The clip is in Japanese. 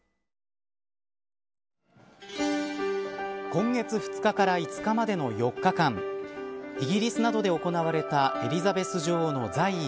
今月２日から５日までの４日間イギリスなどで行われたエリザベス女王の在位